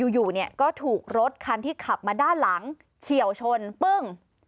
อยู่เนี่ยก็ถูกรถคันที่ขับมาด้านหลังเฉียวชนปึ้ง